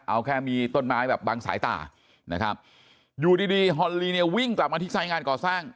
เอาแค่มีต้นไม้แบบบางสายตานะครับอยู่ดีดีฮอนลีเนี่ยวิ่งกลับมาที่สายงานก่อสร้าง